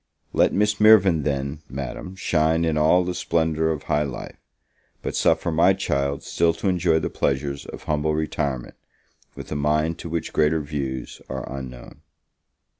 Let Miss Mirvan, then, Madam, shine in all the splendour of high life; but suffer my child still to enjoy the pleasures of humble retirement, with a mind to which greater views are unknown.